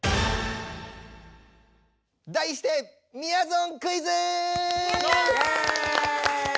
題してみやぞんクイズ！